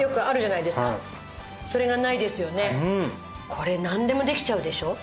これなんでもできちゃうでしょ？